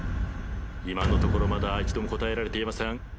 今のところまだ一度も答えられていません。